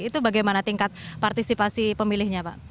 itu bagaimana tingkat partisipasi pemilihnya pak